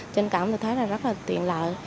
trên cổng tôi thấy là rất là tuyện lợi